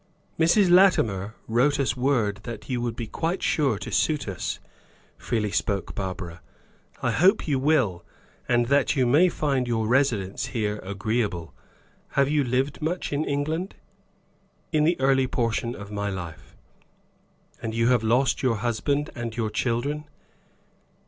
"Mrs. Latimer wrote us word that you would be quite sure to suit us," freely spoke Barbara. "I hope you will; and that you may find your residence here agreeable. Have you lived much in England?" "In the early portion of my life." "And you have lost your husband and your children?